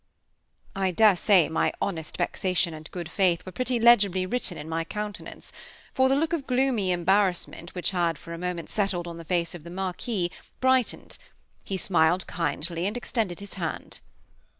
I dare say my honest vexation and good faith were pretty legibly written in my countenance; for the look of gloomy embarrassment which had for a moment settled on the face of the Marquis, brightened; he smiled, kindly, and extended his hand.